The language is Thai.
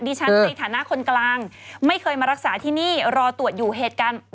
ฉันในฐานะคนกลางไม่เคยมารักษาที่นี่รอตรวจอยู่เหตุการณ์